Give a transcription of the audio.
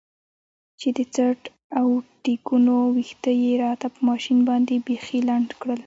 چې د څټ او ټېکونو ويښته يې راته په ماشين باندې بيخي لنډ کړل.